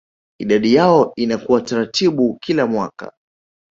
Idadi yao inakuwa taratibu kila mwaka